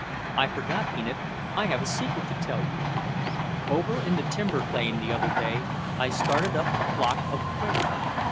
"I forgot, Enid, I have a secret to tell you. Over in the timber claim the other day I started up a flock of quail.